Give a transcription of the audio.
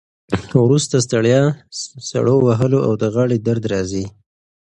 وروسته ستړیا، سړو وهلو او د غاړې درد راځي.